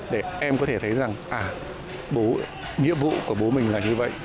để em có thể thấy rằng à nhiệm vụ của bố mình là như vậy